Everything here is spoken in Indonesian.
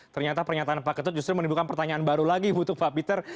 ternyata pernyataan pak ketut justru menimbulkan pertanyaan baru lagi untuk pak peter